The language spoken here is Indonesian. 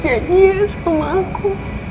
janjikan sama aku